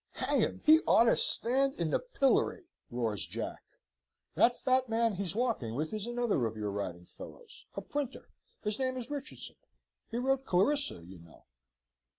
"Hang him, he ought to stand in the pillory!" roars Jack. "That fat man he's walking with is another of your writing fellows, a printer, his name is Richardson; he wrote Clarissa, you know."